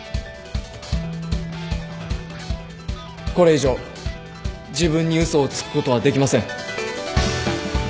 これ以上自分に嘘をつくことはできません。